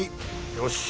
よし！